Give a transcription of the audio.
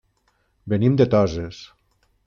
Venim de Toses.